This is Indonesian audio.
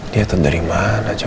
dia datang dari mana jawa